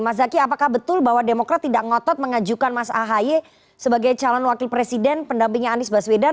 mas zaky apakah betul bahwa demokrat tidak ngotot mengajukan mas ahaye sebagai calon wakil presiden pendampingnya anies baswedan